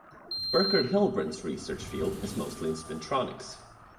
Burkard Hillebrands' research field is mostly in spintronics.